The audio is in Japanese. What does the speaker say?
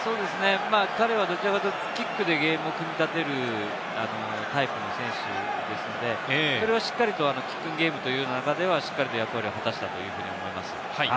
彼はどちらかというとキックでゲームを組み立てるタイプの選手すので、それは、しっかりとキックゲームという中ではしっかり役割を果たしたと思います。